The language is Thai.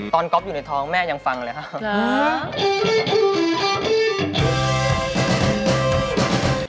ก๊อฟอยู่ในท้องแม่ยังฟังเลยครับ